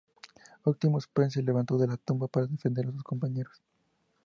Optimus Prime se levantó de la tumba para defender a sus compañeros.